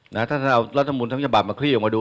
ถ้าท่านเอารัฐมนต์ทั้งฉบับมาคลี่ออกมาดู